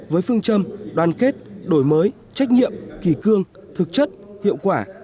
với phương châm đoàn kết đổi mới trách nhiệm kỳ cương thực chất hiệu quả